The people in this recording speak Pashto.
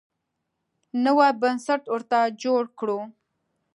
نوی بنسټ ورته جوړ کړو.